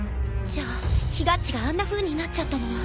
じゃあひがっちがあんなふうになっちゃったのは。